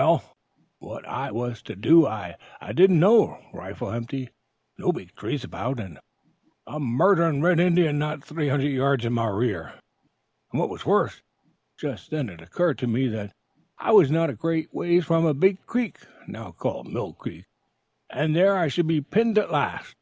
Well, what I was to do I didn't know: rifle empty, no big trees about, and a murdering red Indian not three hundred yards in my rear; and what was worse, just then it occurred to me that I was not a great ways from a big creek (now called Mill Creek), and there I should be pinned at last.